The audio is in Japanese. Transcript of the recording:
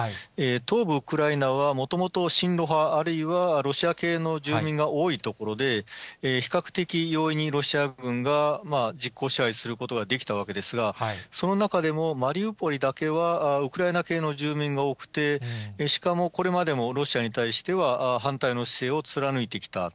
東部ウクライナは、もともと親ロ派、あるいはロシア系の住民が多い所で、比較的容易にロシア軍が実効支配することができたわけですが、その中でも、マリウポリだけはウクライナ系の住民が多くて、しかもこれまではロシアに対しては、反対の姿勢を貫いてきた。